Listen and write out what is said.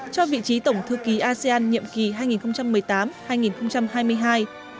cho vị trí tổng thư ký asean nhiệm kỳ hai nghìn một mươi tám hai nghìn hai mươi hai